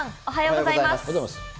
おはようございます。